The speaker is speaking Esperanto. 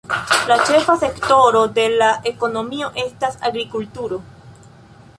La ĉefa sektoro de la ekonomio estas agrikulturo.